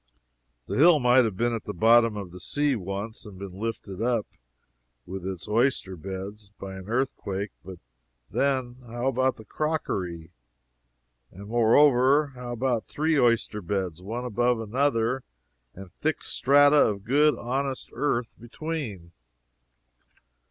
The hill might have been the bottom of the sea, once, and been lifted up, with its oyster beds, by an earthquake but, then, how about the crockery? And moreover, how about three oyster beds, one above another, and thick strata of good honest earth between?